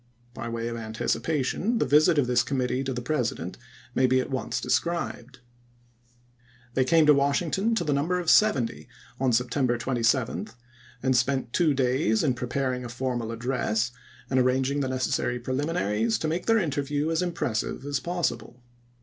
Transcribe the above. By way of anticipation the Yisit of this committee to the President may be at once described. '^TribuSe/' They came to Washington to the number of ^fm!^' seventy on September 27, and spent two days in preparing a formal address and arranging the 1863. necessary preliminaries to make their interview as impressive as possible.